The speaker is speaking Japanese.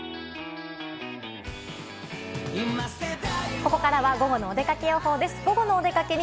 ここからはゴゴのお出かけ予報です。